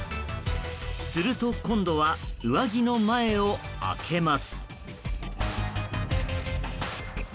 すると、今度は上着の前を開けます。